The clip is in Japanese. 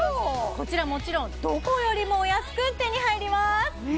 こちらもちろんどこよりもお安く手に入ります